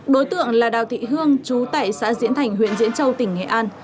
đối tượng là đào thị hương chú tại xã diễn thành huyện diễn châu tỉnh nghệ an